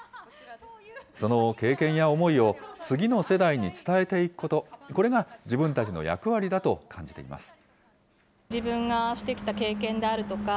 その経験や思いを次の世代に伝えていくこと、これが自分たちの役割だと感じています。